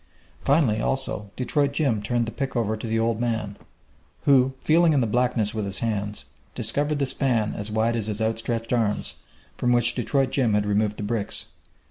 Finally, also, Detroit Jim turned the pick over to the old man, who, feeling in the blackness with his hands, discovered the span as wide as his outstretched arms, from which Detroit Jim had removed the bricks.